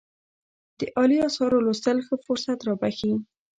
د عالي آثارو لوستل ښه فرصت رابخښي.